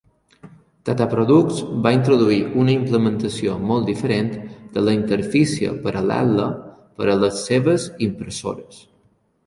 Dataproducts va introduir una implementació molt diferent de la interfície paral·lela per a les seves impressores.